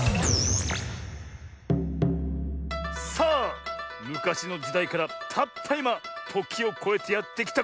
さあむかしのじだいからたったいまときをこえてやってきたこれ。